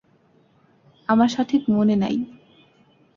আমার সঠিক মনে নাই।